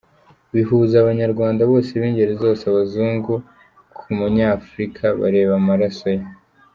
Bihuza abanyarda Bose bingeri zose abazungu Kumu nya Africa bareba amaraso ye.